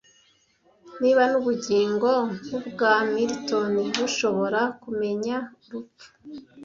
Niba nubugingo nkubwa Milton bushobora kumenya urupfu;